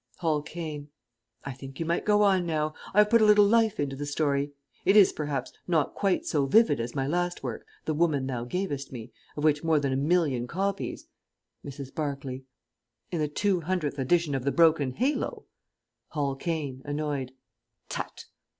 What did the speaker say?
[_Hall Caine. I think you might go on now. I have put a little life into the story. It is, perhaps, not quite so vivid as my last work, "The Woman Thou Gavest Me," of which more than a million copies _ _Mrs. Barclay. In the two hundredth edition of "The Broken Halo" _ Hall Caine (annoyed). _Tut!